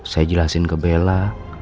saya jelasin ke bela